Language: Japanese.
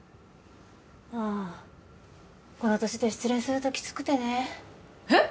ああこの年で失恋するとキツくてねえっ！？